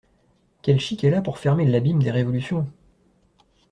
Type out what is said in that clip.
Quel chic elle a pour fermer l’abîme des révolutions !